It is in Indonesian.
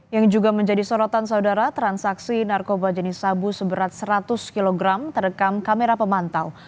yang juga menjadi sorotan saudara transaksi narkoba jenis sabu seberat seratus kg terekam kamera pemantau